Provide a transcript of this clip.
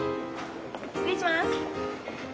失礼します。